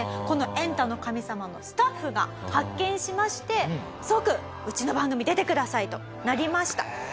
この『エンタの神様』のスタッフが発見しまして即「うちの番組出てください」となりました。